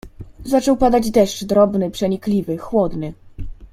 "Zaczął padać deszcz drobny, przenikliwy, chłodny."